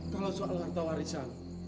kalau soal harta warisan